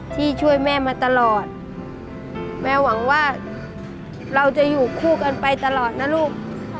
ที่ช่วยแม่มาตลอดแม่หวังว่าเราจะอยู่คู่กันไปตลอดนะลูก